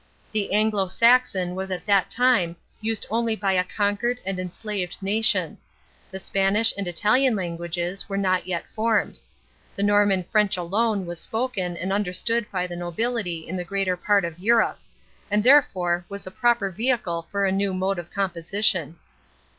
The Anglo Saxon was at that time used only by a conquered and enslaved nation; the Spanish and Italian languages were not yet formed; the Norman French alone was spoken and understood by the nobility in the greater part of Europe, and therefore was a proper vehicle for the new mode of composition.